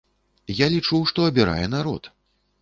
Я лічу, што абірае народ.